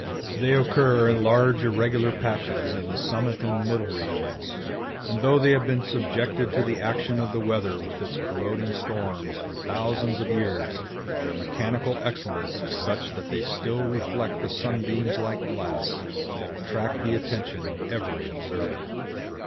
They occur in large irregular patches in the summit and middle regions, and though they have been subjected to the action of the weather with its corroding storms for thousands of years, their mechanical excellence is such that they still reflect the sunbeams like glass, and attract the attention of every observer.